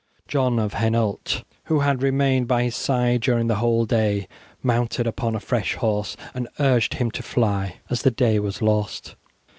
John of Hainault, who had remained by his side during the whole day, mounted upon a fresh horse and urged him to fly, as the day was lost.